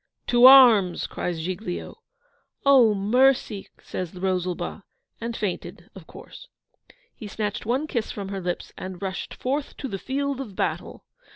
'To arms!' cries Giglio. 'Oh, mercy!' says Rosalba, and fainted of course. He snatched one kiss from her lips, and rushed FORTH TO THE FIELD of battle!